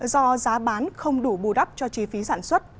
do giá bán không đủ bù đắp cho chi phí sản xuất